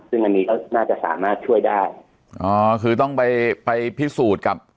ซึ่งอันนี้ก็น่าจะสามารถช่วยได้อ๋อคือต้องไปไปพิสูจน์กับ